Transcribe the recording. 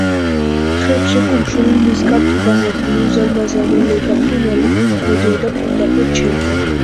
:მხრებშეკუმშული, ნისკარტდაღებული, უზარმაზარი ლეგა ფრინველი მოდიოდა პირდაპირ ჩემკენ.